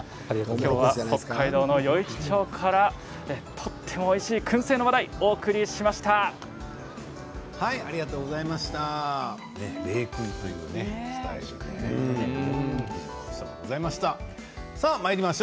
きょうは北海道の余市町からとてもおいしいくん製の話題をお送りしました。